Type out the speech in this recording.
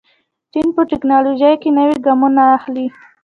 چین په تکنالوژۍ کې نوي ګامونه اخلي.